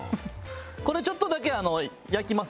これちょっとだけ焼きます。